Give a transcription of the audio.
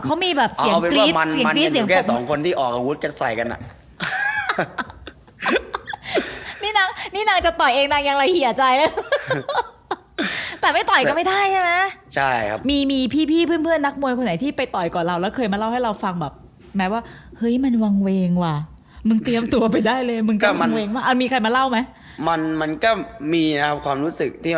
แล้วก็ทีมงานของวันเขาอะทีมงานที่พูดจัดเขาก็จะมี